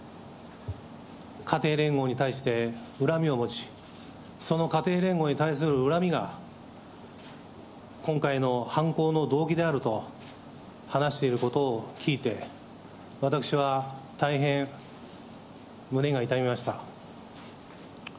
家庭連合に対して恨みを持ち、その家庭連合に対する恨みが、今回の犯行の動機であると話していることを聞いて、私は大変胸が痛みました。